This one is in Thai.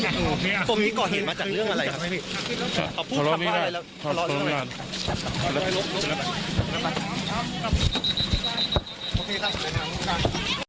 ตรงนี้ก่อนเห็นมาจากเรื่องอะไรครับพอล้อมนี่ได้พอล้อมนี่ได้